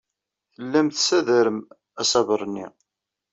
Tellam tessadarem asaber-nni.